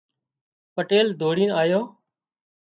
پٽيل ڌوڙينَ آيو